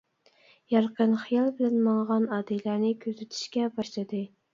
يارقىن خىيال بىلەن ماڭغان ئادىلەنى كۆزىتىشكە باشلىدى.